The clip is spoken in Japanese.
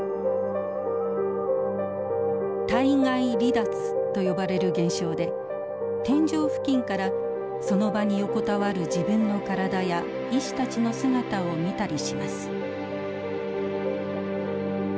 体外離脱と呼ばれる現象で天井付近からその場に横たわる自分の体や医師たちの姿を見たりします。